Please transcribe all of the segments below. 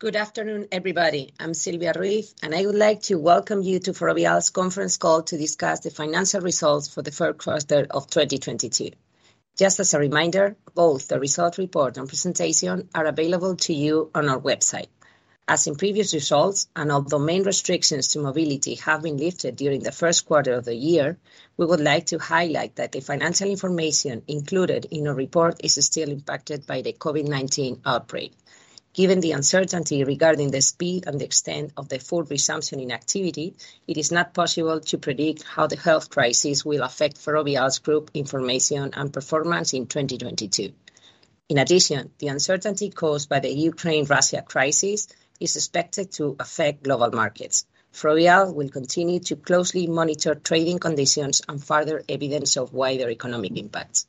Good afternoon, everybody. I'm Silvia Ruiz, and I would like to welcome you to Ferrovial's conference call to discuss the financial results for the first quarter of 2022. Just as a reminder, both the result report and presentation are available to you on our website. As in previous results, although main restrictions to mobility have been lifted during the first quarter of the year, we would like to highlight that the financial information included in our report is still impacted by the COVID-19 outbreak. Given the uncertainty regarding the speed and the extent of the full resumption in activity, it is not possible to predict how the health crisis will affect Ferrovial's group information and performance in 2022. In addition, the uncertainty caused by the Ukraine-Russia crisis is expected to affect global markets. Ferrovial will continue to closely monitor trading conditions and further evidence of wider economic impacts.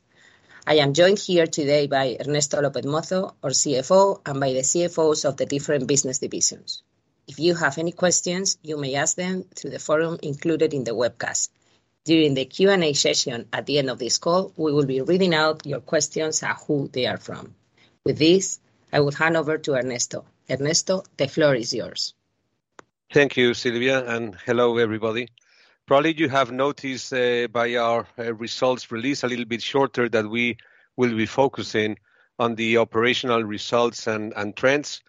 I am joined here today by Ernesto López Mozo, our CFO, and by the CFOs of the different business divisions. If you have any questions, you may ask them through the forum included in the webcast. During the Q&A session at the end of this call, we will be reading out your questions and who they are from. With this, I will hand over to Ernesto. Ernesto, the floor is yours. Thank you, Silvia, and hello everybody. Probably you have noticed by our results release a little bit shorter that we will be focusing on the operational results and trends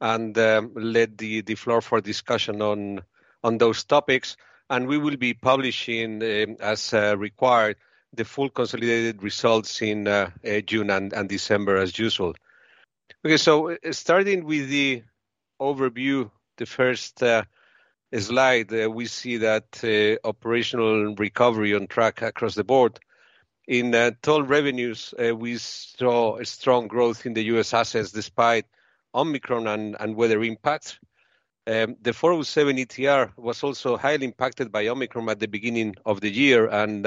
and let the floor for discussion on those topics, and we will be publishing as required the full consolidated results in June and December as usual. Okay, starting with the overview, the first slide, we see that operational recovery on track across the board. In toll revenues we saw a strong growth in the U.S. assets despite Omicron and weather impacts. The 407 ETR was also highly impacted by Omicron at the beginning of the year, and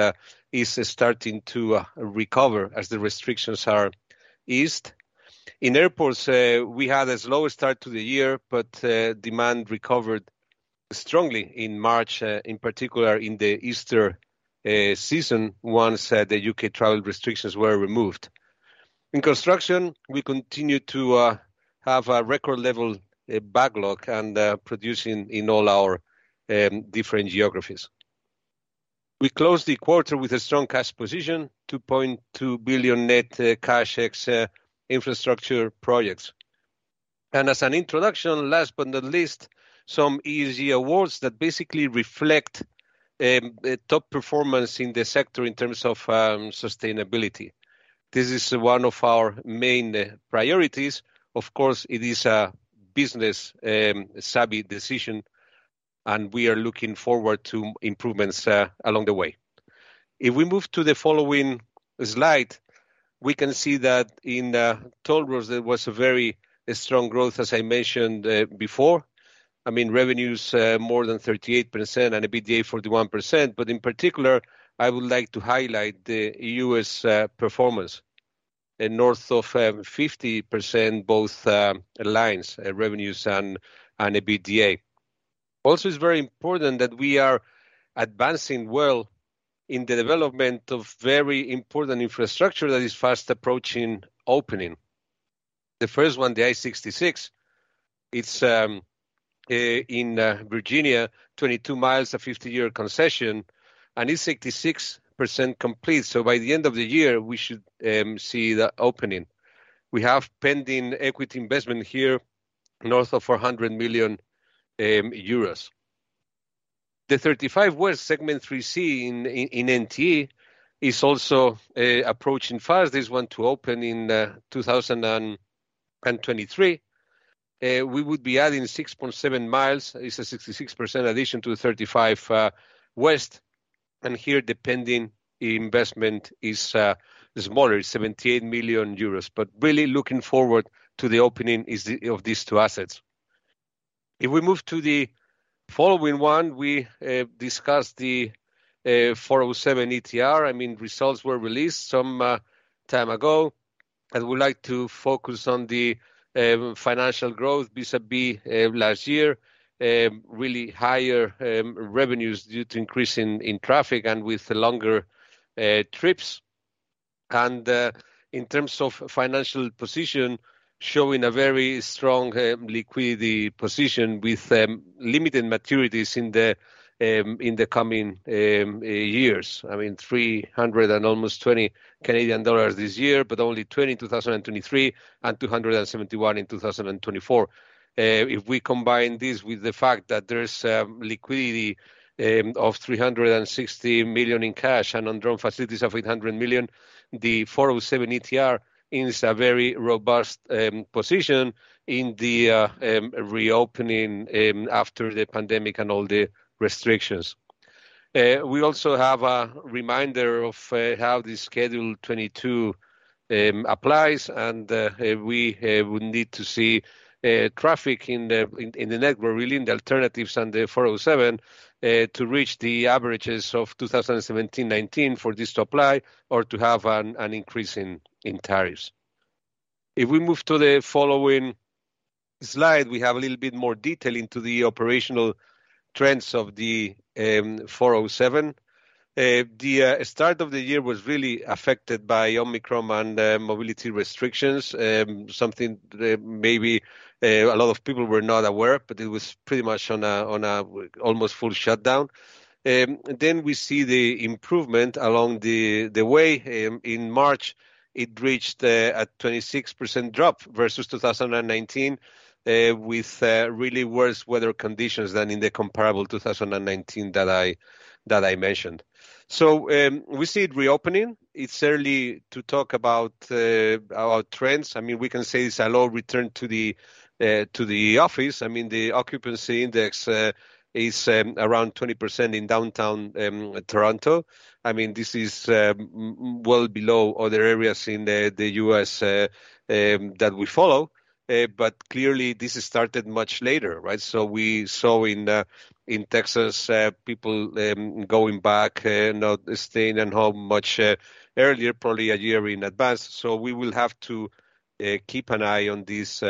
is starting to recover as the restrictions are eased. In airports, we had a slow start to the year, but demand recovered strongly in March, in particular in the Easter season once the U.K. travel restrictions were removed. In construction, we continue to have a record level backlog and producing in all our different geographies. We closed the quarter with a strong cash position 2.2 billion net cash ex infrastructure projects. As an introduction, last but not least, some ESG awards that basically reflect top performance in the sector in terms of sustainability. This is one of our main priorities. Of course, it is a business savvy decision, and we are looking forward to improvements along the way. If we move to the following slide, we can see that in toll roads, there was a very strong growth, as I mentioned before. I mean, revenues more than 38% and EBITDA 41%. In particular, I would like to highlight the U.S. performance. In north of 50% both lines, revenues and EBITDA. Also it's very important that we are advancing well in the development of very important infrastructure that is fast approaching opening. The first one the I-66 it's in Virginia 22 mi a 50-year concession and it's 66% complete. By the end of the year we should see the opening. We have pending equity investment here north of 400 million euros. The 35 west Segment 3C in NTE is also approaching fast this one to open in 2023. We would be adding 6.7 mi. It's a 66% addition to the I-35W and here the pending investment is more it's 78 million euros. Really looking forward to the opening of these two assets. If we move to the following one we discuss the 407 ETR. I mean, results were released some time ago and we'd like to focus on the financial growth vis-à-vis last year. Really higher revenues due to increase in traffic and with longer trips. In terms of financial position showing a very strong liquidity position with limited maturities in the coming years. I mean, almost 320 Canadian dollars this year but only 20 in 2023 and 271 in 2024. If we combine this with the fact that there's liquidity of 360 million in cash and undrawn facilities of 800 million. The 407 ETR is a very robust position in the reopening after the pandemic and all the restrictions. We also have a reminder of how the Schedule 22 applies and we would need to see traffic in the network really in the alternatives and the 407 to reach the averages of 2017, 2019 for this to apply or to have an increase in tariffs. If we move to the following slide, we have a little bit more detail into the operational trends of the 407. The start of the year was really affected by Omicron and mobility restrictions. Something that maybe a lot of people were not aware, but it was pretty much on an almost full shutdown. We see the improvement along the way. In March, it reached a 26% drop versus 2019 with really worse weather conditions than in the comparable 2019 that I mentioned. We see it reopening. It's early to talk about trends. I mean, we can say it's a low return to the office. I mean, the occupancy index is around 20% in Downtown Toronto. I mean, this is well below other areas in the U.S. that we follow. Clearly this started much later, right? We saw in Texas people going back not staying at home much earlier probably a year in advance. We will have to keep an eye on these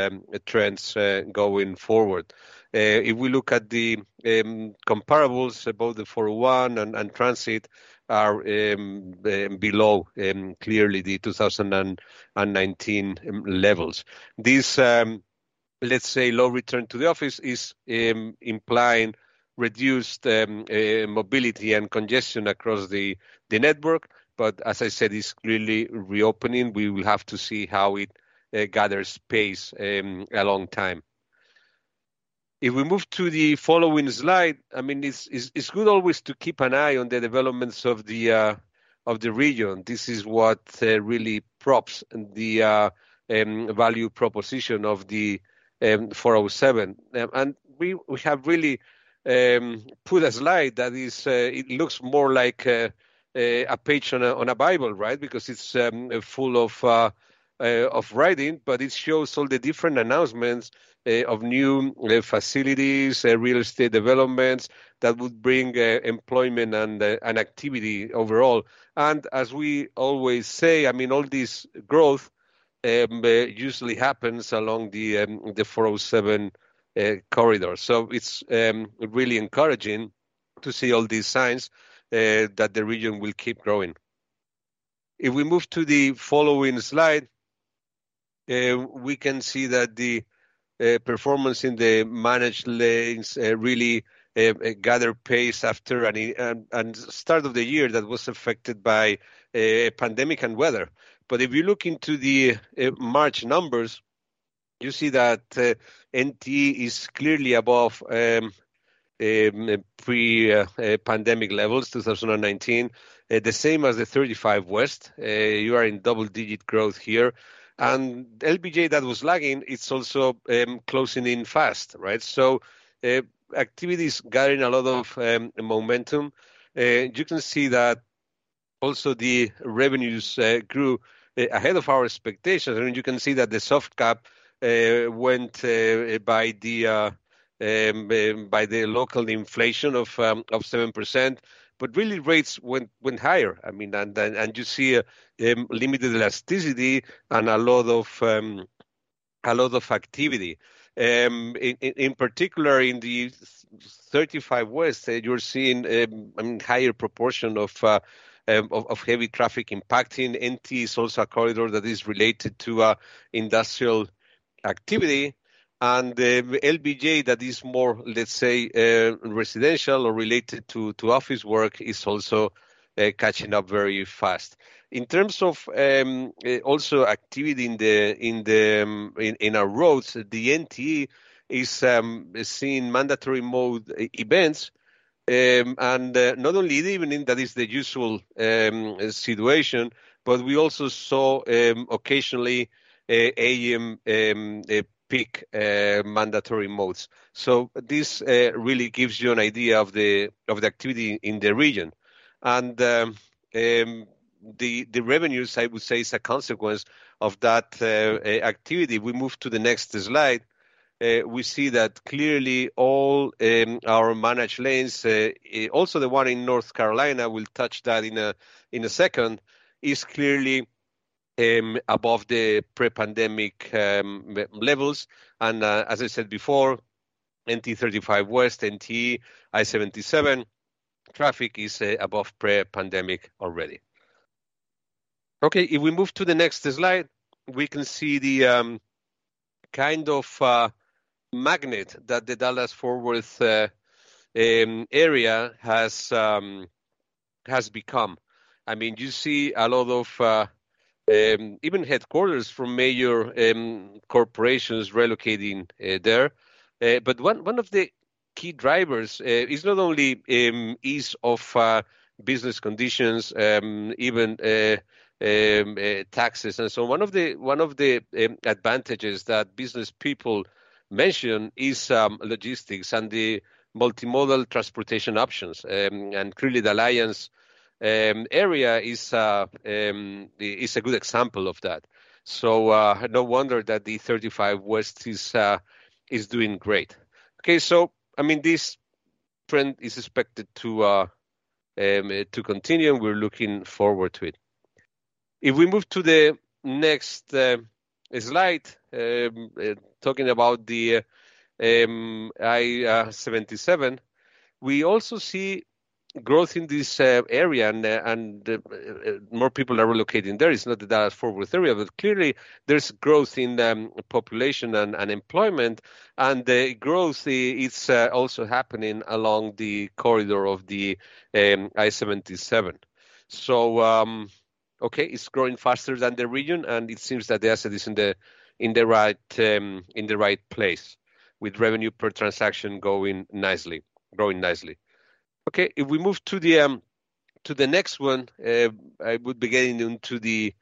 trends going forward. If we look at the comparables, both the 401 and transit are clearly below the 2019 levels. This let's say low return to the office is implying reduced mobility and congestion across the network. As I said, it's clearly reopening. We will have to see how it gathers pace over time. If we move to the following slide I mean, it's good always to keep an eye on the developments of the region. This is what really proves the value proposition of the 407. We have really put a slide that is it looks more like a page on a Bible, right? Because it's full of writing but it shows all the different announcements of new facilities real estate developments that would bring employment and activity overall. As we always say, I mean, all this growth usually happens along the 407 corridor. It's really encouraging to see all these signs that the region will keep growing. If we move to the following slide, we can see that the performance in the managed lanes really gather pace after a start of the year that was affected by a pandemic and weather. If you look into the March numbers you see that NTE is clearly above pre-pandemic levels 2019. The same as the 35W. You are in double-digit growth here. LBJ that was lagging it's also closing in fast. Right? Activity is gaining a lot of momentum. You can see that also the revenues grew ahead of our expectations. I mean, you can see that the soft cap went up by the local inflation of 7%. Really rates went higher. I mean, you see a limited elasticity and a lot of activity. In particular in the I-35W you're seeing higher proportion of heavy traffic impacting NT. It's a corridor that is related to industrial activity. The LBJ that is more, let's say, residential or related to office work is also catching up very fast. In terms of also activity in our roads the NT is seeing mandatory mode events. Not only the evening that is the usual situation but we also saw occasionally AM peak mandatory modes. This really gives you an idea of the activity in the region. The revenues I would say is a consequence of that activity. We move to the next slide. We see that clearly all our managed lanes, also the one in North Carolina we'll touch that in a second is clearly above the pre-pandemic levels. As I said before NTE I-35W, NTE & I-77 traffic is above pre-pandemic already. Okay, if we move to the next slide, we can see the kind of magnet that the Dallas-Fort Worth area has become. I mean, you see a lot of even headquarters from major corporations relocating there. One of the key drivers is not only ease of business conditions, even taxes. One of the advantages that business people mention is logistics and the multimodal transportation options. Clearly the Alliance area is a good example of that. No wonder that the I-35W is doing great. I mean, this trend is expected to continue, and we're looking forward to it. If we move to the next slide, talking about the I-77 we also see growth in this area and more people are relocating there. It's not the Dallas-Fort Worth area, but clearly there's growth in population and unemployment, and the growth is also happening along the corridor of the I-77. It's growing faster than the region, and it seems that the asset is in the right place with revenue per transaction going nicely, growing nicely. If we move to the next one I would be getting into the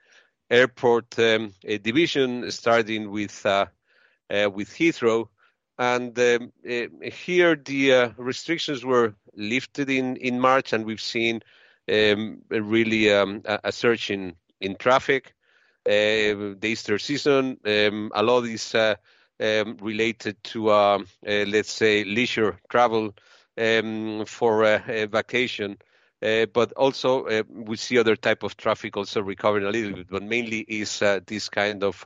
airport division, starting with Heathrow. Here the restrictions were lifted in March, and we've seen really a surge in traffic the Easter season. A lot of this related to let's say, leisure travel for a vacation. We see other type of traffic also recovering a little bit but mainly is this kind of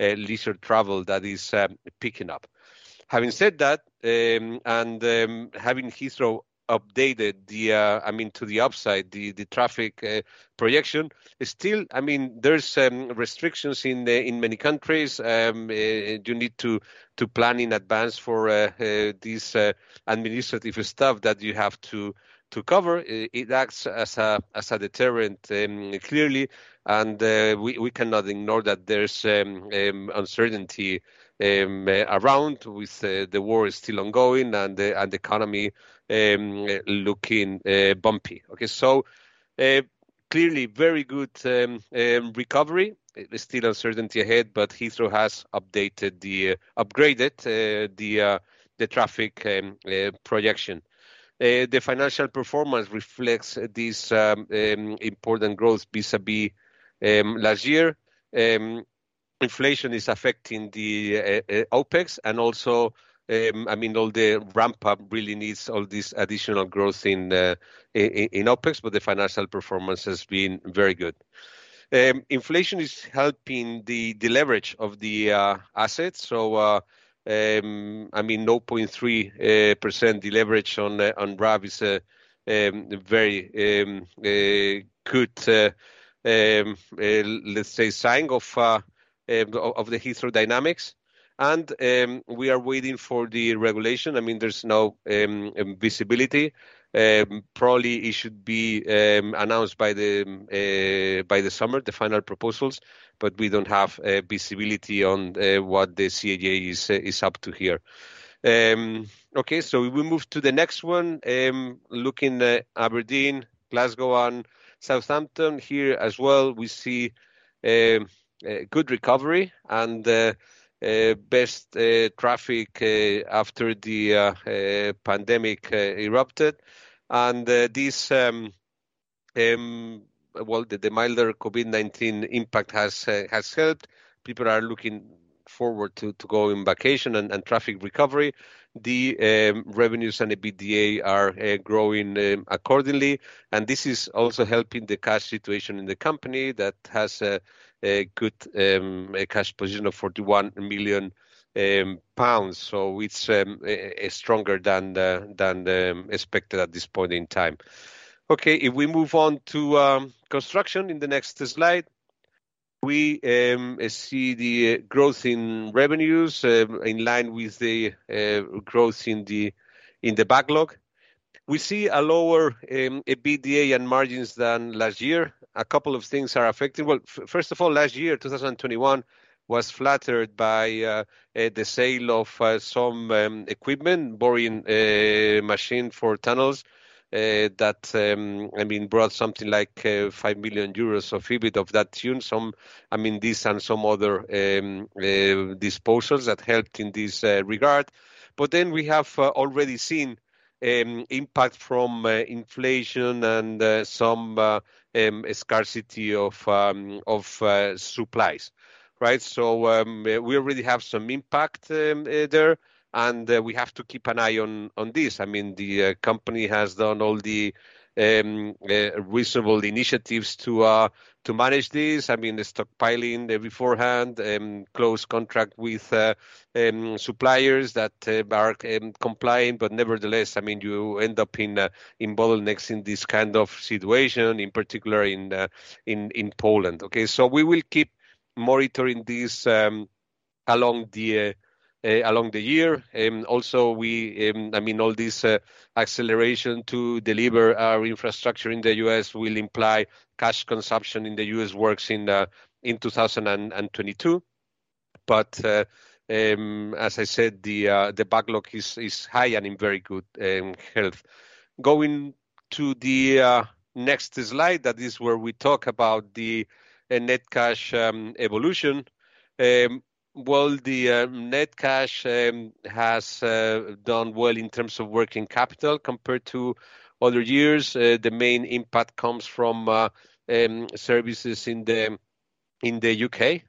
leisure travel that is picking up. Having said that and having Heathrow updated the I mean, to the upside, the traffic projection, still I mean, there's restrictions in many countries. You need to plan in advance for this administrative stuff that you have to cover. It acts as a deterrent clearly, and we cannot ignore that there's uncertainty around with the war is still ongoing and the economy looking bumpy. Okay. Clearly very good recovery. There's still uncertainty ahead, but Heathrow has upgraded the traffic projection. The financial performance reflects this important growth vis-à-vis last year. Inflation is affecting the OpEx, and also, I mean, all the ramp-up really needs all this additional growth in OpEx, but the financial performance has been very good. Inflation is helping the leverage of the assets. I mean, 0.3% deleverage on RAV is a very good, let's say sign of the Heathrow dynamics. We are waiting for the regulation. I mean, there's no visibility. Probably it should be announced by the summer, the final proposals, but we don't have visibility on what the CAA is up to here. Okay. If we move to the next one. Looking at Aberdeen, Glasgow, and Southampton here as well, we see a good recovery and best traffic after the pandemic erupted. This well the milder COVID-19 impact has helped. People are looking forward to going vacation and traffic recovery. The revenues and the EBITDA are growing accordingly, and this is also helping the cash situation in the company that has a good cash position of 41 million pounds. It's stronger than expected at this point in time. If we move on to construction in the next slide. We see the growth in revenues in line with the growth in the backlog. We see a lower EBITDA and margins than last year. A couple of things are affecting. Well, first of all, last year, 2021, was flattered by the sale of some equipment, boring machine for tunnels, that I mean, brought something like 5 million euros of EBIT of that type. I mean, this and some other disposals that helped in this regard. We have already seen impact from inflation and some scarcity of supplies, right? We already have some impact there, and we have to keep an eye on this. I mean, the company has done all the reasonable initiatives to manage this. I mean, the stockpiling beforehand, close contract with suppliers that are compliant. Nevertheless, I mean, you end up in bottlenecks in this kind of situation, in particular in Poland. Okay? We will keep monitoring this along the year. Also we, I mean, all this acceleration to deliver our infrastructure in the U.S. will imply cash consumption in the U.S. works in 2022. As I said, the backlog is high and in very good health. Going to the next slide, that is where we talk about the net cash evolution. Well, the net cash has done well in terms of working capital compared to other years. The main impact comes from services in the U.K.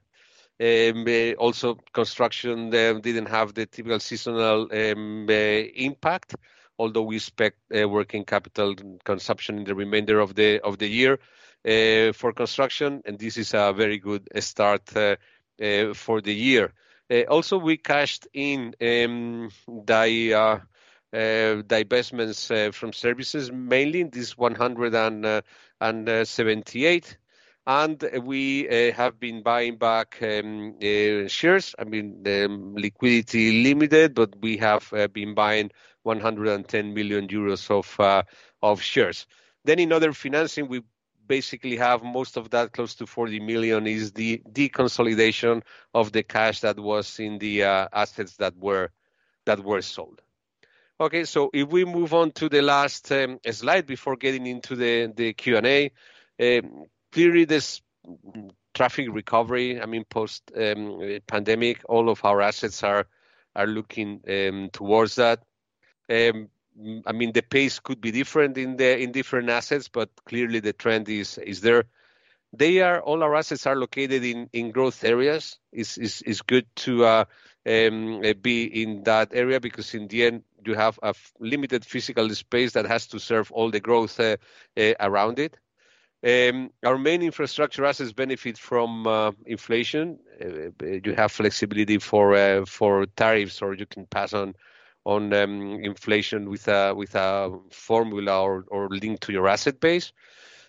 also construction there didn't have the typical seasonal impact, although we expect working capital consumption in the remainder of the year for construction, and this is a very good start for the year. Also we cashed in divestments from services, mainly in this 178 million. We have been buying back shares. I mean, the liquidity limited, but we have been buying 110 million euros of shares. In other financing we basically have most of that close to 40 million is the deconsolidation of the cash that was in the assets that were sold. Okay. If we move on to the last slide before getting into the Q&A. Clearly this traffic recovery, I mean, post pandemic, all of our assets are looking towards that. I mean, the pace could be different in different assets, but clearly the trend is there. All our assets are located in growth areas. It's good to be in that area because in the end you have a limited physical space that has to serve all the growth around it. Our main infrastructure assets benefit from inflation. You have flexibility for tariffs or you can pass on inflation with a formula or link to your asset base.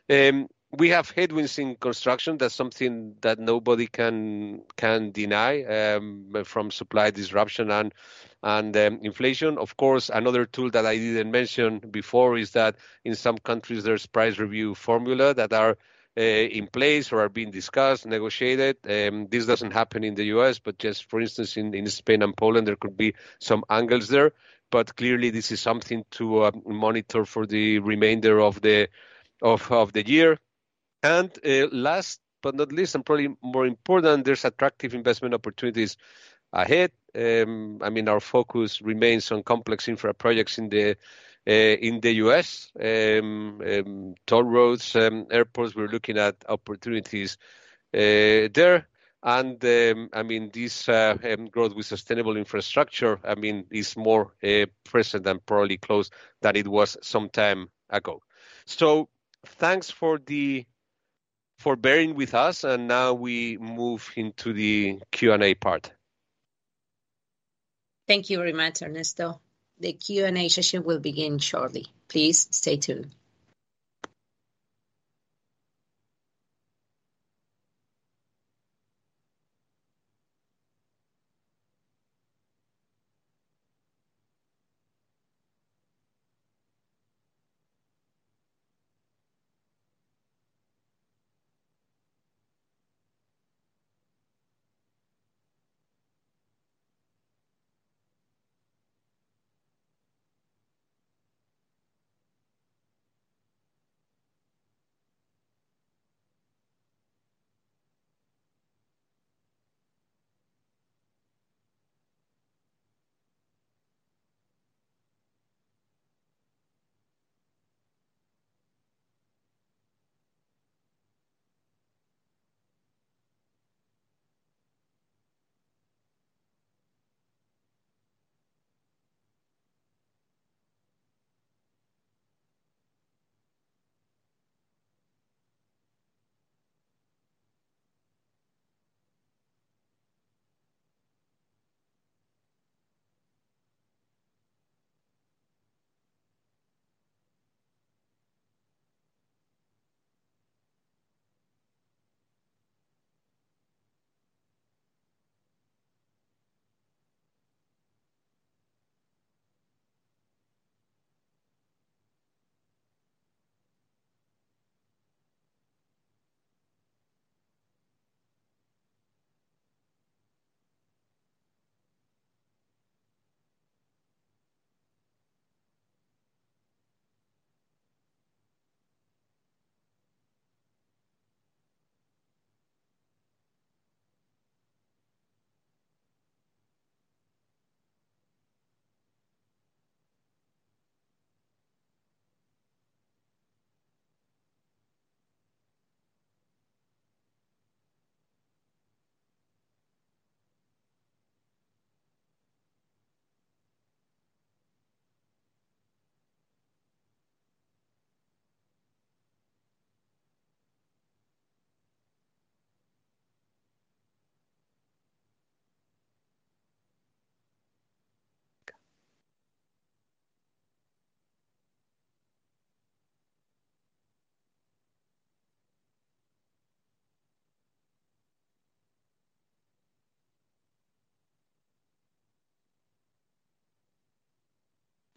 We have headwinds in construction. That's something that nobody can deny from supply disruption and inflation. Of course, another tool that I didn't mention before is that in some countries there's price review formula that are in place or are being discussed, negotiated. This doesn't happen in the U.S. but just for instance, in Spain and Poland, there could be some angles there. Clearly this is something to monitor for the remainder of the year. Last but not least, and probably more important, there's attractive investment opportunities ahead. I mean, our focus remains on complex infra projects in the U.S. toll roads, airports. We're looking at opportunities there. I mean, this growth with sustainable infrastructure, I mean, is more present and probably close than it was some time ago. Thanks for bearing with us, and now we move into the Q&A part. Thank you very much, Ernesto. The Q&A session will begin shortly. Please stay tuned.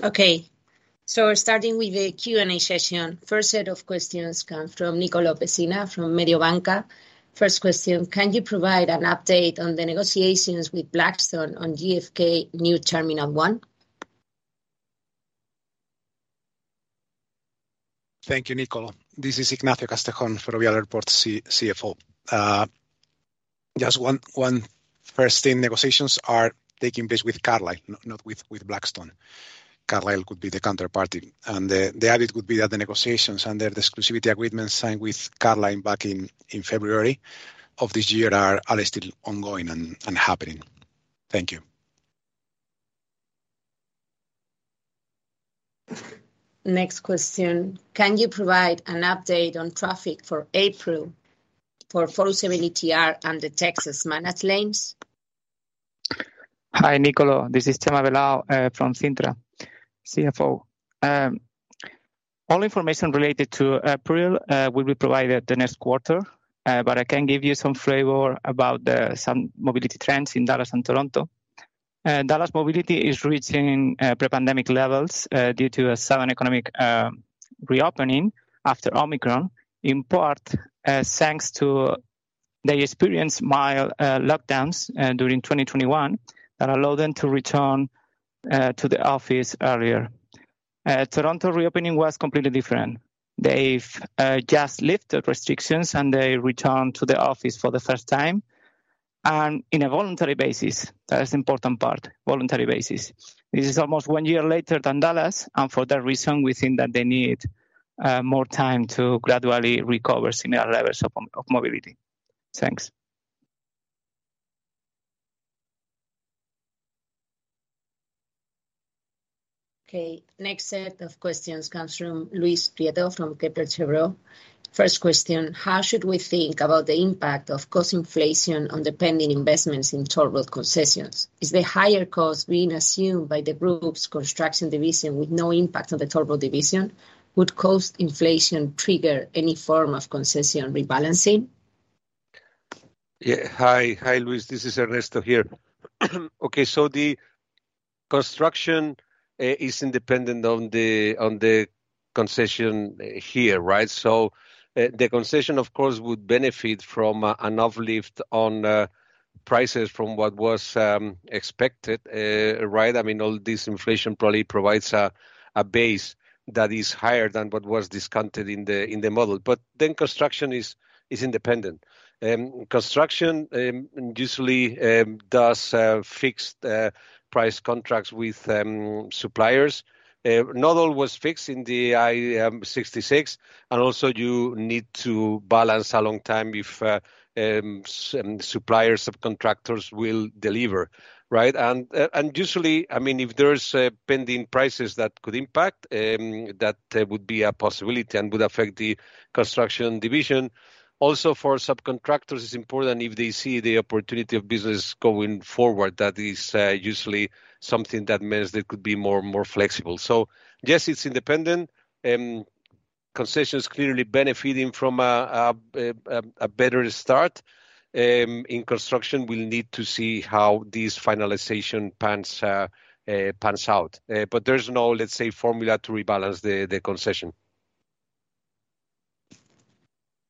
Okay. Starting with the Q&A session first set of questions come from Nicolo Pessina from Mediobanca. First question, can you provide an update on the negotiations with Blackstone on JFK new Terminal One? Thank you, Nicolo. This is Ignacio Gastón, CEO, Ferrovial Construction. Just one first thing, negotiations are taking place with Carlyle not with Blackstone. Carlyle could be the counterparty, and the added would be that the negotiations under the exclusivity agreement signed with Carlyle back in February of this year are still ongoing and happening. Thank you. Next question, can you provide an update on traffic for April for 407 ETR and the Texas managed lanes? Hi Nicolo, this is Jose Velao from Cintra, CFO. All information related to April will be provided the next quarter but I can give you some flavor about some mobility trends in Dallas and Toronto. Dallas mobility is reaching pre-pandemic levels due to a sudden economic reopening after Omicron in part, thanks to they experienced mild lockdowns during 2021 that allowed them to return to the office earlier. Toronto reopening was completely different. They've just lifted restrictions, and they returned to the office for the first time and in a voluntary basis. That is important part voluntary basis. This is almost one year later than Dallas and for that reason we think that they need more time to gradually recover similar levels of of mobility. Thanks. Okay, next set of questions comes from Luis Prieto from Kepler Cheuvreux. First question, how should we think about the impact of cost inflation on the pending investments in toll road concessions? Is the higher cost being assumed by the group's construction division with no impact on the toll road division? Would cost inflation trigger any form of concession rebalancing? Hi. Hi, Luis. This is Ernesto here. Okay, the construction is independent of the concession here, right? The concession of course would benefit from an uplift in prices from what was expected, right? I mean, all this inflation probably provides a base that is higher than what was discounted in the model but then construction is independent. Construction usually does fixed price contracts with suppliers. Not all was fixed in the I-66 and also you need to balance a long time if suppliers subcontractors will deliver, right? Usually I mean, if there's pending prices that could impact that would be a possibility and would affect the construction division. Also for subcontractors it's important if they see the opportunity of business going forward that is usually something that means they could be more flexible. Yes it's independent concessions clearly benefiting from a better start. In construction we'll need to see how these finalization plans pans out. There's no let's say formula to rebalance the concession.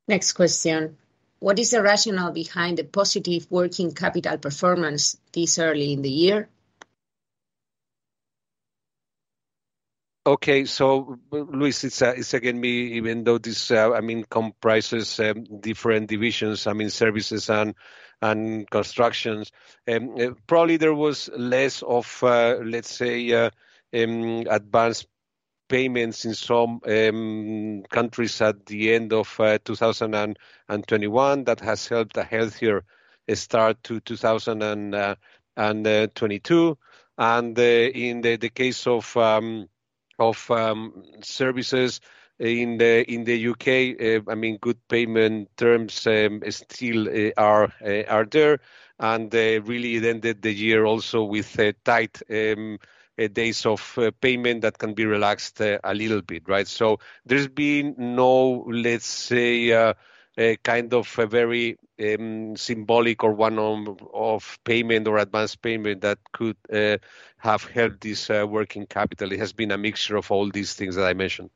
Next question. What is the rationale behind the positive working capital performance this early in the year? Okay. Luis it's again me even though this I mean, comprises different divisions, I mean, services and constructions. Probably there was less of let's say advanced payments in some countries at the end of 2021 that has helped a healthier start to 2022. In the case of services in the U.K. I mean, good payment terms still are there and really they ended the year also with a tight days of payment that can be relaxed a little bit, right? There's been no let's say, a kind of a very symbolic or one-off payment or advanced payment that could have helped this working capital. It has been a mixture of all these things that I mentioned.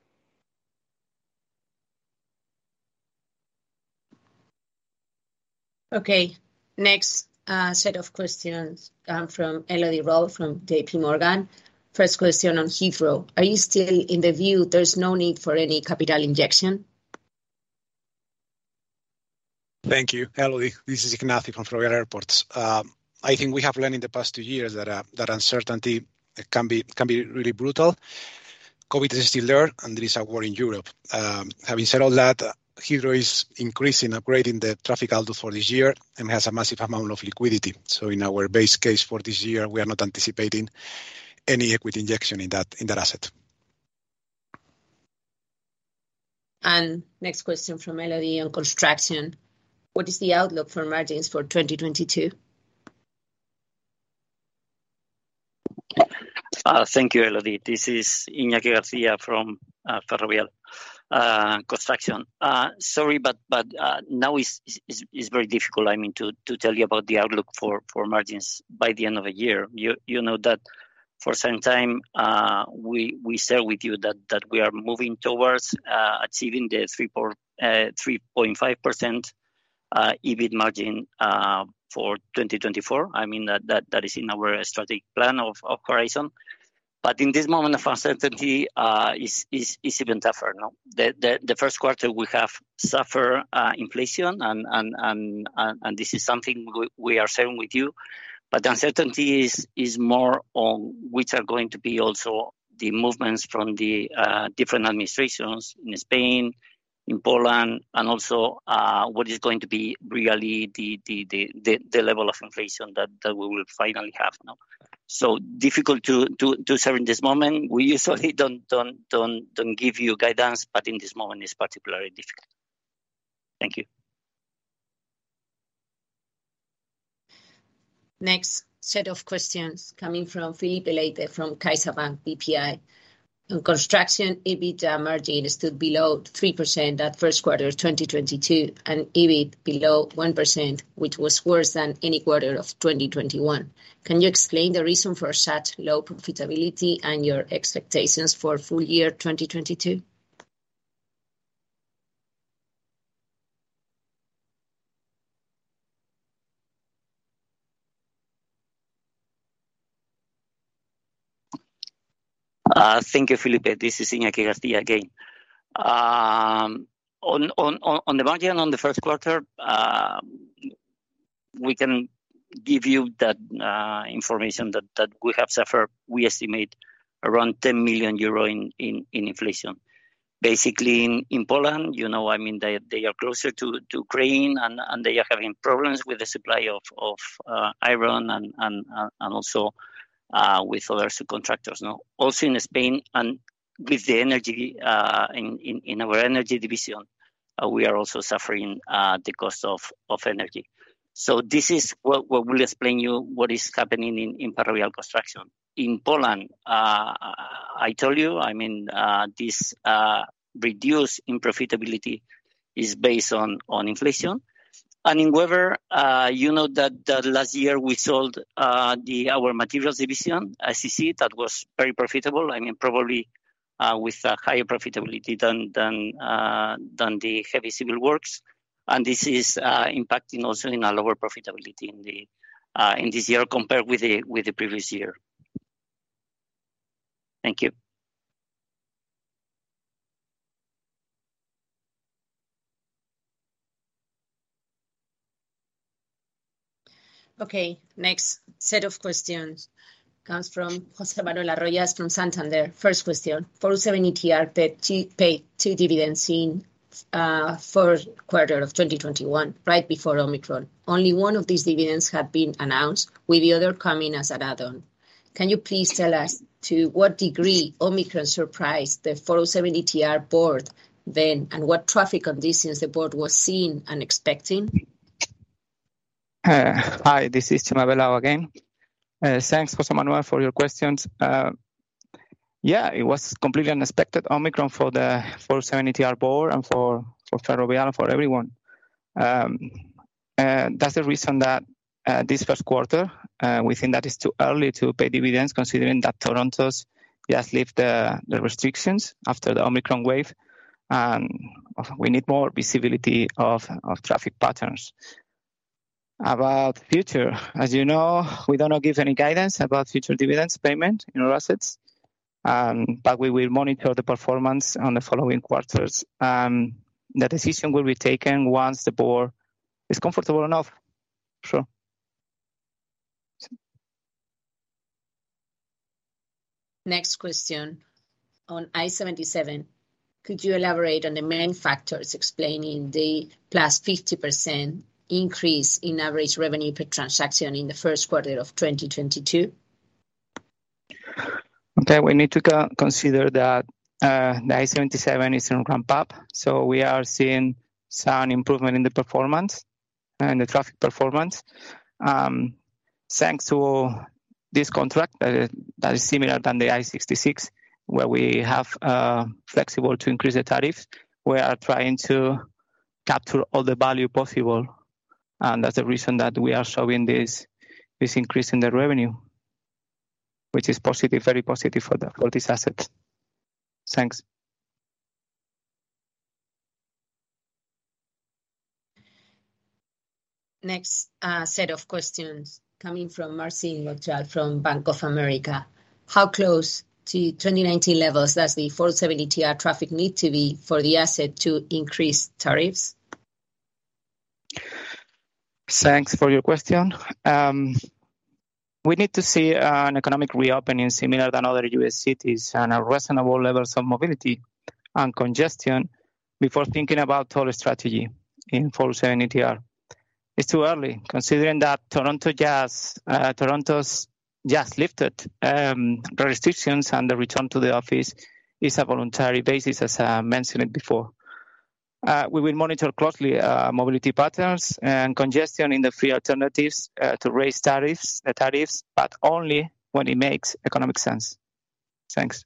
Okay. Next set of questions from Elodie Rall from JPMorgan. First question on Heathrow, are you still in the view there's no need for any capital injection? Thank you, Elodie. This is Ignacio from Ferrovial Airports. I think we have learned in the past two years that uncertainty can be really brutal. COVID is still there, and there is a war in Europe. Having said all that Heathrow is increasing upgrading the traffic outlook for this year and has a massive amount of liquidity. In our base case for this year we are not anticipating any equity injection in that asset. Next question from Elodie on construction. What is the outlook for margins for 2022? Thank you, Elodie. This is Iñaki García from Ferrovial Construction. Sorry now is very difficult I mean, to tell you about the outlook for margins by the end of the year. You know that for some time we share with you that we are moving towards achieving the 3.5% EBIT margin for 2024. I mean, that is in our strategic plan of horizon. In this moment of uncertainty it's even tougher, no? The first quarter we have suffer inflation and this is something we are sharing with you. The uncertainty is more on which are going to be also the movements from the different administrations in Spain in Poland and also what is going to be really the level of inflation that we will finally have now. Difficult to share in this moment. We usually don't give you guidance but in this moment it's particularly difficult. Thank you. Next set of questions coming from Filipe Leite from CaixaBank BPI. In construction, EBITA margin stood below 3% at first quarter 2022 and EBIT below 1% which was worse than any quarter of 2021. Can you explain the reason for such low profitability and your expectations for full year 2022? Thank you Philippe. This is Iñaki García again. On the margin on the first quarter we can give you that information that we have suffered. We estimate around 10 million euro in inflation. Basically in Poland, you know, I mean, they are closer to Ukraine and they are having problems with the supply of iron and also with other subcontractors. No. Also in Spain and with the energy in our energy division we are also suffering the cost of energy. This is what we'll explain to you what is happening in Ferrovial Construction. In Poland, I told you I mean, this reduction in profitability is based on inflation. In Webber, you know, that the last year we sold our materials division SCC that was very profitable. I mean, probably with a higher profitability than the heavy civil works. This is impacting also our lower profitability in this year compared with the previous year. Thank you. Okay, next set of questions comes from José Manuel Arroyas from Santander. First question, 407 ETR paid two dividends in first quarter of 2021 right before Omicron. Only one of these dividends have been announced with the other coming as an add-on. Can you please tell us to what degree Omicron surprised the 407 ETR board then, and what traffic conditions the board was seeing and expecting? Hi, this is Jose Velao again. Thanks, José Manuel Arroyas for your questions. Yeah it was completely unexpected Omicron for the 407 ETR board and for Ferrovial and for everyone. That's the reason that this first quarter we think that is too early to pay dividends considering that Toronto's just lifted the restrictions after the Omicron wave, and we need more visibility of traffic patterns. About future as you know we don't give any guidance about future dividends payment in our assets but we will monitor the performance on the following quarters. The decision will be taken once the board is comfortable enough. Sure. Next question. On I-77, could you elaborate on the main factors explaining the +50% increase in average revenue per transaction in the first quarter of 2022? Okay, we need to consider that the I-77 is in ramp up so we are seeing some improvement in the performance, in the traffic performance. Thanks to this contract that is similar than the I-66 where we have flexibility to increase the tariff. We are trying to capture all the value possible and that's the reason that we are showing this increase in the revenue which is positive, very positive for this asset. Thanks. Next set of questions coming from Marcin Wojtal from Bank of America. How close to 2019 levels does the 407 ETR traffic need to be for the asset to increase tariffs? Thanks for your question. We need to see an economic reopening similar than other U.S. cities and a reasonable levels of mobility and congestion before thinking about toll strategy in 407 ETR. It's too early considering that Toronto's just lifted the restrictions and the return to the office is a voluntary basis, as I mentioned it before. We will monitor closely mobility patterns and congestion in the free alternatives to raise the tariffs, but only when it makes economic sense. Thanks.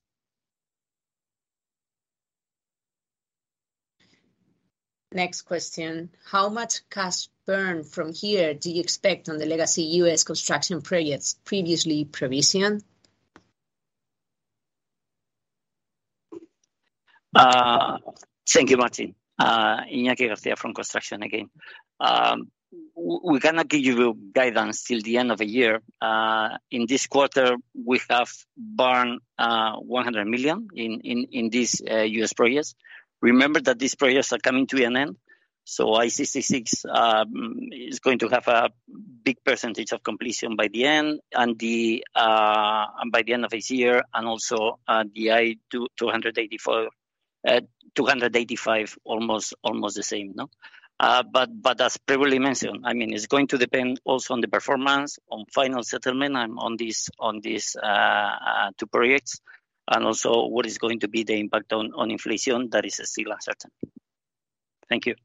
Next question. How much cash burn from here do you expect on the legacy U.S. construction projects previously provisioned? Thank you, Martin. Iñaki García from Construction again. We cannot give you guidance till the end of the year. In this quarter, we have burned 100 million in these U.S. projects. Remember that these projects are coming to an end so I-66 is going to have a big percentage of completion by the end of this year and also the I-285 almost the same, no? As previously mentioned I mean, it's going to depend also on the performance on final settlement and on these two projects and also what is going to be the impact on inflation that is still uncertain. Thank you.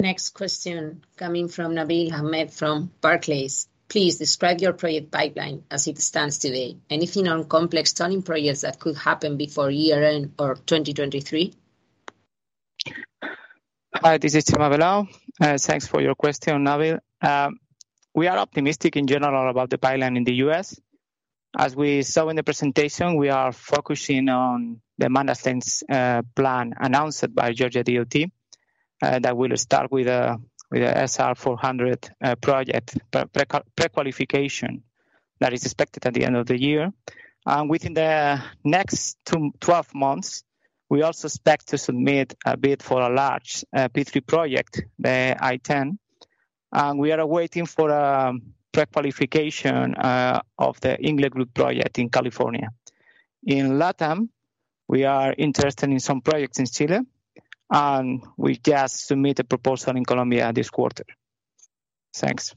Next question coming from Nabil Ahmed from Barclays. Please describe your project pipeline as it stands today. Anything on complex tunneling projects that could happen before year-end or 2023? Hi, this is Jose Velao and thanks for your question Nabil Ahmed. We are optimistic in general about the pipeline in the U.S. as we saw in the presentation we are focusing on the maintenance plan announced by Georgia DOT that will start with the SR 400 project pre-qualification that is expected at the end of the year. Within the next 12 months we also expect to submit a bid for a large P3 project, the I-10. We are waiting for pre-qualification of the Inglewood project in California. In Latam we are interested in some projects in Chile and we just submit a proposal in Colombia this quarter. Thanks.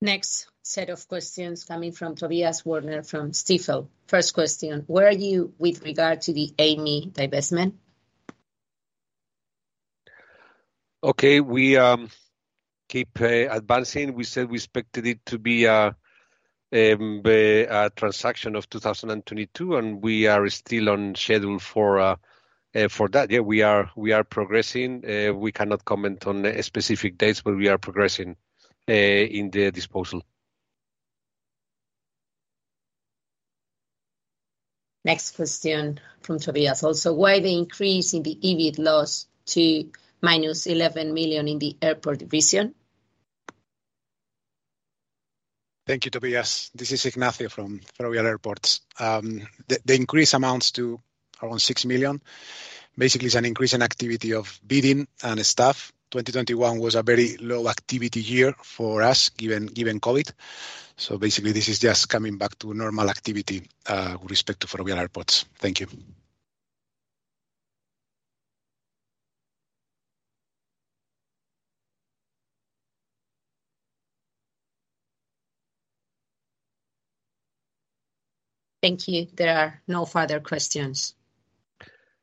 Next set of questions coming from Tobias Woerner from Stifel. First question: Where are you with regard to the Amey divestment? Okay. We keep advancing. We said we expected it to be a transaction of 2022. We are still on schedule for that. Yeah, we are progressing. We cannot comment on specific dates, but we are progressing in the disposal. Next question from Tobias also. Why the increase in the EBIT loss to -11 million in the airport division? Thank you, Tobias. This is Ignacio from Ferrovial Airports. The increase amounts to around 6 million. Basically it's an increase in activity of bidding and staff. 2021 was a very low activity year for us, given COVID. Basically this is just coming back to normal activity with respect to Ferrovial Airports. Thank you. Thank you. There are no further questions.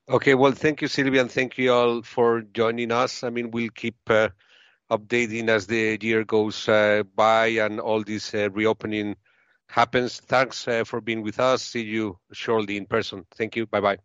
Okay. Well, thank you, Silvia, and thank you all for joining us. I mean, we'll keep updating as the year goes by and all this reopening happens. Thanks for being with us. See you shortly in person. Thank you. Bye-bye.